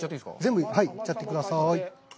全部、はい、いっちゃってください。